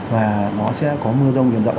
và nó sẽ có mưa rông diện rộng